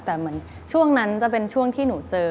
แต่เหมือนช่วงนั้นจะเป็นช่วงที่หนูเจอ